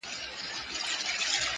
پرې کرم د اِلهي دی.